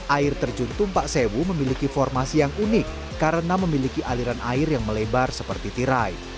air terjun tumpak sewu memiliki formasi yang unik karena memiliki aliran air yang melebar seperti tirai